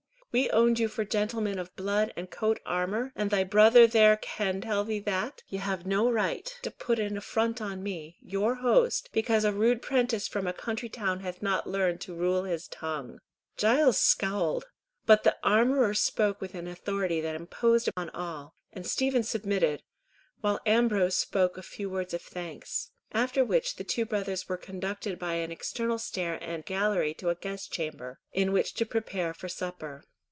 We owned you for gentlemen of blood and coat armour, and thy brother there can tell thee that, ye have no right to put an affront on me, your host, because a rude prentice from a country town hath not learnt to rule his tongue." Giles scowled, but the armourer spoke with an authority that imposed on all, and Stephen submitted, while Ambrose spoke a few words of thanks, after which the two brothers were conducted by an external stair and gallery to a guest chamber, in which to prepare for supper.